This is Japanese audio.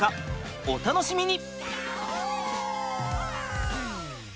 お楽しみに！